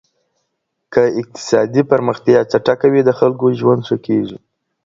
که اقتصادي پرمختيا چټکه وي د خلګو ژوند ښه کېږي.